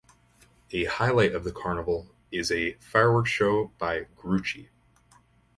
A highlight of the carnival is a fireworks show by Grucci.